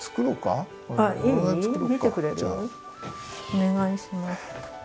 お願いします。